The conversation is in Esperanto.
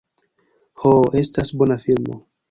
Ho, estas bona filmo.